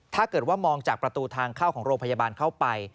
ถ้าเกิดว่ามองจากประตูทางเข้าของโรงพยาบาลเข้าไป